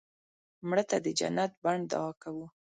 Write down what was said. مړه ته د جنت بڼ دعا کوو